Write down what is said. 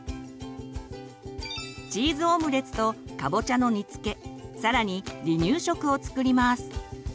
チーズオムレツとかぼちゃの煮つけ更に離乳食を作ります。